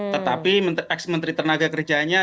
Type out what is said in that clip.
tetapi ex menteri tenaga kerjanya